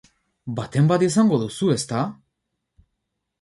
Baten bat izango duzu, ezta?